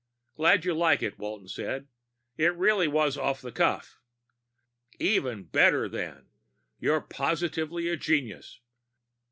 "Glad you like it," Walton said. "It really was off the cuff." "Even better, then. You're positively a genius.